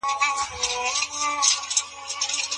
دغه حديث په نورو کتابونو کي څنګه رانقل سوی دی؟